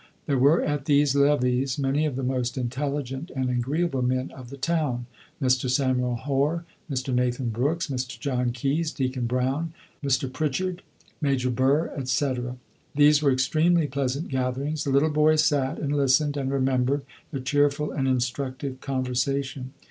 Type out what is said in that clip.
There were at these levees many of the most intelligent and agreeable men of the town, Mr. Samuel Hoar, Mr. Nathan Brooks, Mr. John Keyes, Deacon Brown, Mr. Pritchard, Major Burr, etc. These were extremely pleasant gatherings. The little boys sat and listened, and remembered the cheerful and instructive conversation.